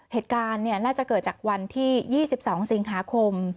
เหตุการณ์น่าจะเกิดจากวันที่๒๒สิงหาคม